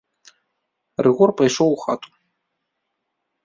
Рыгор пайшоў у хату.